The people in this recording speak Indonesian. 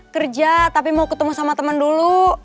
kerja tapi mau ketemu sama teman dulu